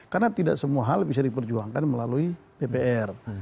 karena tidak semua hal bisa diperjuangkan melalui dpr